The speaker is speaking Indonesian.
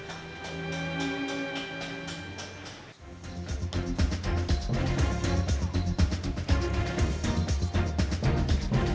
dan mencari kemampuan untuk memperbaiki kekuatan